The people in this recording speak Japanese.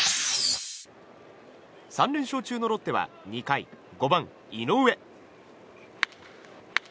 ３連勝中のロッテは２回５番、井上。